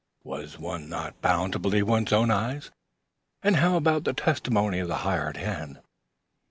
Was one not bound to believe one's own eyes? And how about the testimony of the Hired Hand?